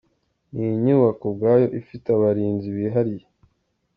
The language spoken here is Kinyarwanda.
Ni inyubako ubwayo ifite abarinzi bihariye.